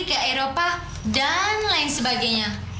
ke eropa dan lain sebagainya